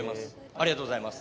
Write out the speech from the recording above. ありがとうございます。